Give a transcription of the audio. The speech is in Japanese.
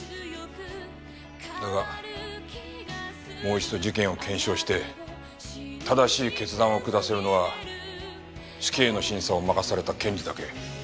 だがもう一度事件を検証して正しい決断を下せるのは死刑の審査を任された検事だけ。